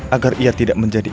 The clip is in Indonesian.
agar ia tidak menjadi